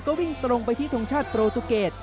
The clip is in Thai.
ก็วิ่งตรงไปที่ทรงชาติโปรตูเกต